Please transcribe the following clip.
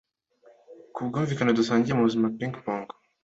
kubwumvikane dusangiye mubuzima ping-pong.